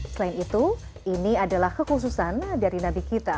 selain itu ini adalah kekhususan dari nabi kita